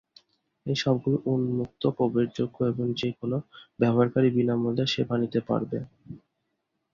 এই সবগুলোই উম্মুক্ত প্রবেশযোগ্য এবং যে কোন ব্যবহারকারী বিনামূল্যে সেবা নিতে পারবে।